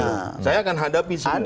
ya saya mau jantelmen agreement